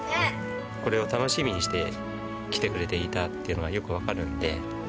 これを楽しみにして来てくれていたっていうのがよくわかるので。